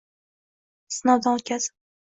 sinovdan o’tkazib